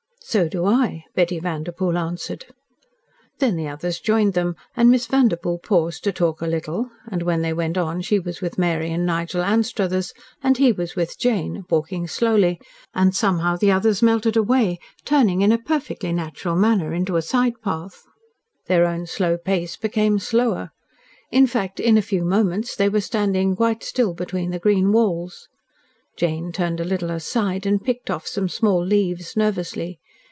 "So do I," Betty Vanderpoel answered. Then the others joined them, and Miss Vanderpoel paused to talk a little and when they went on she was with Mary and Nigel Anstruthers, and he was with Jane, walking slowly, and somehow the others melted away, turning in a perfectly natural manner into a side path. Their own slow pace became slower. In fact, in a few moments, they were standing quite still between the green walls. Jane turned a little aside, and picked off some small leaves, nervously.